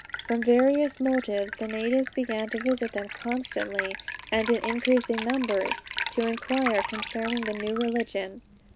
From various motives the natives began to visit them constantly, and in increasing numbers, to inquire concerning the new religion.